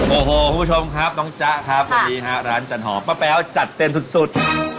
โอ้โหคุณผู้ชมครับน้องจ๊ะครับวันนี้ฮะร้านจันหอมป้าแป๊วจัดเต็มสุด